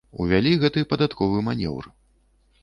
Увялі гэты падатковы манеўр.